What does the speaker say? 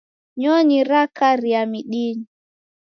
Nyonyi rakaria midinyi.